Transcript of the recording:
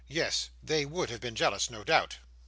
'Yes; they would have been jealous, no doubt.